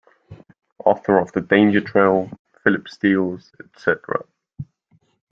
Author of the danger trail, Philip Steels, etc.